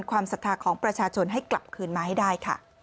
ความศักดิ์ภาคของประชาชนให้กลับคืนมาให้ได้